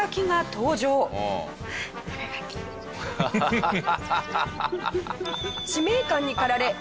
ハハハハハ！